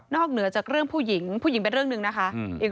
เหนือจากเรื่องผู้หญิงผู้หญิงเป็นเรื่องหนึ่งนะคะ